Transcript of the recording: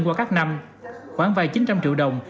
qua các năm khoảng vài chín trăm linh triệu đồng